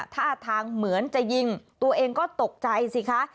ท่าทางเหมือนจะยิงตัวเองก็ตกใจสิคะ